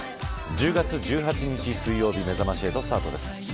１０月１８日水曜日めざまし８スタートです。